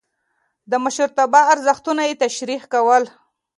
د مشرتابه ارزښتونه يې تشريح کول.